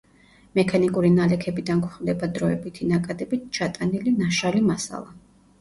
მექანიკური ნალექებიდან გვხვდება დროებითი ნაკადებით ჩატანილი ნაშალი მასალა.